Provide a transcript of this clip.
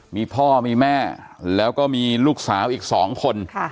มีพ่อมีแม่แล้วก็มีลูกสาวอีก๒คน